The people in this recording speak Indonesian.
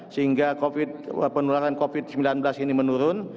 sehingga penularan covid sembilan belas ini menurun